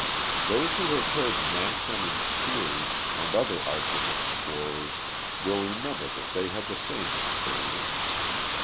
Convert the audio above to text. Those who have heard Nansen and Peary and other arctic explorers will remember that they had the same experience.